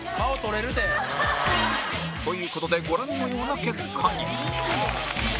という事でご覧のような結果に